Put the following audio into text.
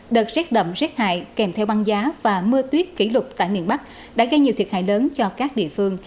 đợt rét đậm rét hại kèm theo băng giá và mưa tuyết kỷ lục tại miền bắc đã gây nhiều thiệt hại lớn cho các địa phương